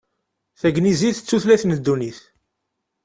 Tagnizit d tutlayt n ddunit.